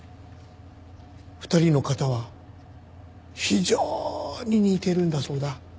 ２人の型は非常に似ているんだそうだ。